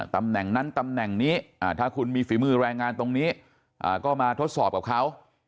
ตำแหน่งนั้นตำแหน่งนี้ถ้าคุณมีฝีมือแรงงานตรงนี้ก็มาทดสอบกับเขา